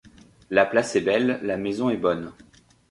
La place est belle, la maison est bonne.